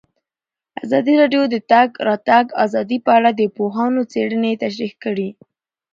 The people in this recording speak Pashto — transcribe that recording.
ازادي راډیو د د تګ راتګ ازادي په اړه د پوهانو څېړنې تشریح کړې.